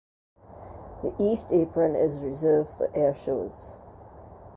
The east apron is reserved for air shows.